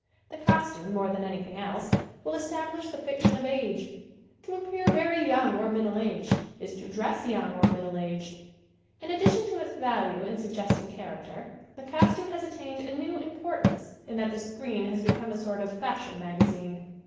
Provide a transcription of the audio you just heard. The costume, more than anything else, will estab lish the fiction of age. To appear very young or middle aged is to dress young or middle aged. In addition to its value in suggesting char acter the costume has attained a new impor tance in that the screen has become a sort of fashion magazine.